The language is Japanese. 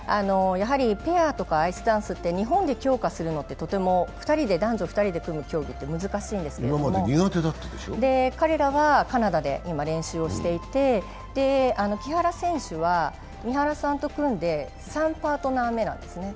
ペアとかアイスダンスって、日本で強化するのは男女２人で組む競技って難しいんですけど彼らはカナダで今、練習していて、木原選手は三浦さんと組んで３パートナー目なんですね。